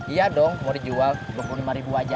iya dong mau dijual rp dua puluh lima aja